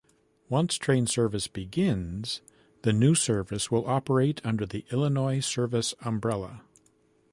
Once train service begins, the new service will operate under the Illinois Service umbrella.